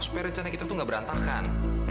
supaya rencana kita tuh gak berantakan